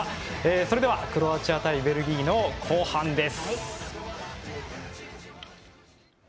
それではクロアチア対ベルギーの後半です。